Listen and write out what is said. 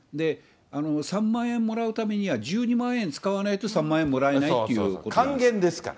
３万円もらうためには１２万円使わないと３万円もらえないっていうことなんです。